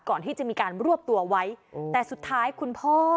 ก่อนที่จะมีการรวบตัวไว้แต่สุดท้ายคุณพ่อ